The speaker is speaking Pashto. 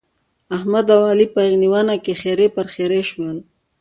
احمد او علي په غېږ نيونه کې خرې پر خرې شول.